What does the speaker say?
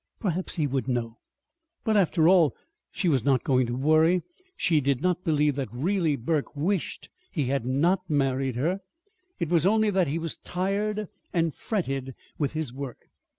Perhaps he would know. But, after all, she was not going to worry. She did not believe that really Burke wished he had not married her. It was only that he was tired and fretted with his work.